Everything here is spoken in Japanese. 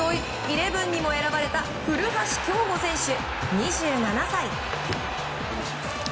イレブンにも選ばれた古橋亨梧選手、２７歳。